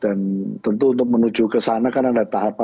dan tentu untuk menuju ke sana kan ada tahapan